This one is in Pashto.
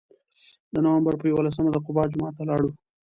د نوامبر په یولسمه د قبا جومات ته لاړو.